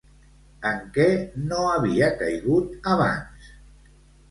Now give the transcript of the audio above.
En què no havia caigut abans?